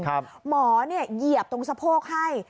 หมอเหยียบตรงสะโพกให้